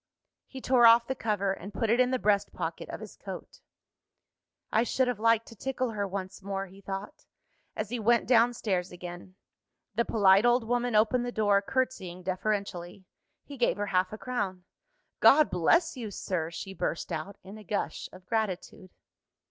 _ He tore off the cover, and put it in the breast pocket of his coat. "I should have liked to tickle her once more," he thought, as he went down stairs again. The polite old woman opened the door, curtsying deferentially. He gave her half a crown. "God bless you, sir!" she burst out, in a gush of gratitude.